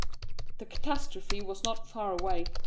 The catastrophe was not far away.